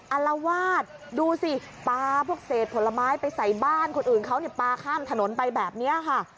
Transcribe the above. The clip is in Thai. อารวาสดูสิปลาพวกเศษผลไม้ไปใส่บ้านคนอื่นเขาปลาข้ามถนนไปแบบนี้ค่ะ